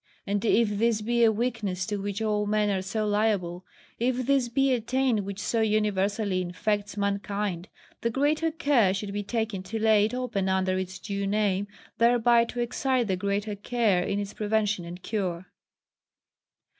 And if this be a weakness to which all men are so liable, if this be a taint which so universally infects mankind, the greater care should be taken to lay it open under its due name, thereby to excite the greater care in its prevention and cure.